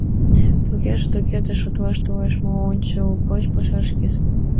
— Тугеже туге да... шотлан толеш мо — ончылгоч палаш йӧсӧ.